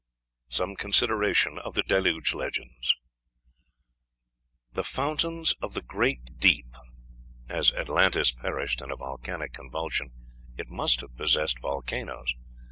SOME CONSIDERATION OF THE DELUGE LEGENDS. The Fountains of the Great Deep. As Atlantis perished in a volcanic convulsion, it must have possessed volcanoes.